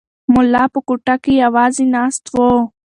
ملا په کوټه کې یوازې ناست دی.